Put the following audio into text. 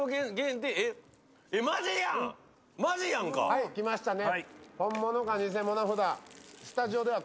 はい、きましたね。